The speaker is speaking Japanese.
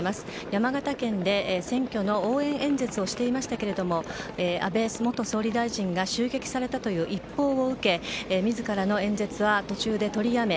山形県で選挙の応援演説をしていましたが安倍元総理大臣が襲撃されたという一報を受け自らの演説は途中で取りやめ